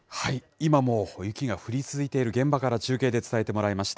今も雪が降り続いている現場から中継で伝えてもらいました。